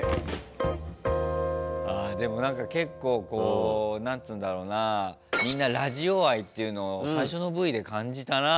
あでもなんか結構こう何つうんだろうなみんなラジオ愛っていうのを最初のＶで感じたなあ。